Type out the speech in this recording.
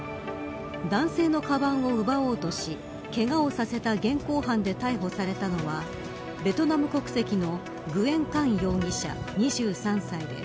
男性のかばんを奪おうとしけがをさせた現行犯で逮捕されたのはベトナム国籍のグエン・カン容疑者です。